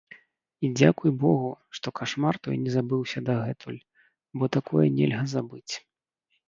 І дзякуй богу, што кашмар той не забыўся дагэтуль, бо такое нельга забыць.